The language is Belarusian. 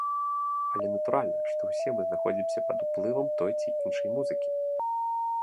Але натуральна, што ўсе мы знаходзімся пад уплывам той ці іншай музыкі.